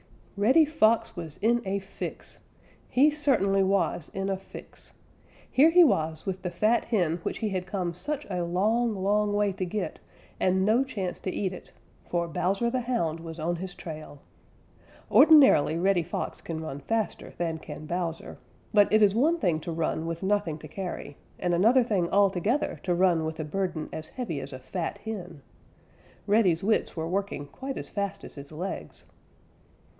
_ Reddy Fox was in a fix! He certainly was in a fix! Here he was with the fat hen which he had come such a long, long way to get, and no chance to eat it, for Bowser the Hound was on his trail. Ordinarily Reddy Fox can run faster than can Bowser, but it is one thing to run with nothing to carry, and another thing altogether to with a burden as heavy as a fat hen. Reddy's wits were working quite as fast as his legs.